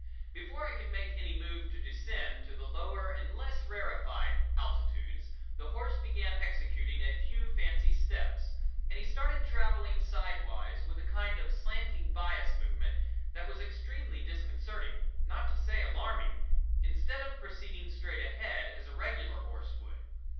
Before I could make any move to descend to the lower and less rarefied altitudes the horse began executing a few fancy steps, and he started traveling sidewise with a kind of a slanting bias movement that was extremely disconcerting, not to say alarming, instead of proceeding straight ahead as a regular horse would.